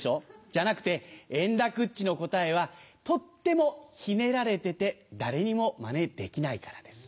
じゃなくて円楽っちの答えはとってもひねられてて誰にもマネできないからです。